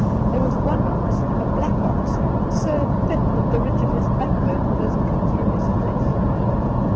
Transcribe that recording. There was one ox, a black ox, so thin that the ridge of his backbone almost cut through his flesh.